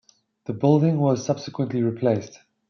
The building was subsequently replaced.